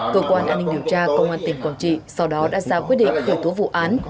cơ quan an ninh điều tra công an tỉnh quảng trị sau đó đã ra quyết định khởi tố vụ án